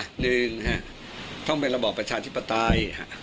หนึ่งต้องเป็นระบอบประชาธิปไตย